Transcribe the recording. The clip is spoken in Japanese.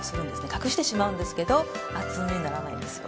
隠してしまうんですけど厚塗りにならないんですよ。